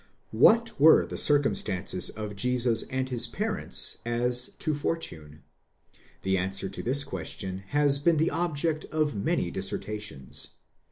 What were the circumstances of Jesus and his parents as to fortune? The answer to this question has been the object of many dissertations.